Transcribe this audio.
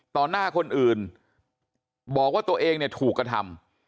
หน้าคนอื่นบอกว่าตัวเองเนี่ยถูกกระทำ